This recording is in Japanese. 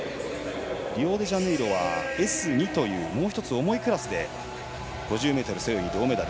リオデジャネイロはＳ２というもう１つ重いクラスで５０ｍ背泳ぎ銅メダル。